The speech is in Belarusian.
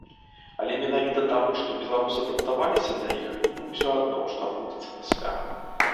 Але менавіта таму, што беларусы адаптаваліся да іх, ім усё адно, што адбудзецца пасля.